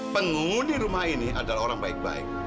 penghuni rumah ini adalah orang baik baik